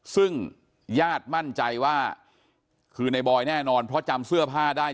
ซึ่งญาติมั่นใจว่าคือในบอยแน่นอนเพราะจำเสื้อผ้าได้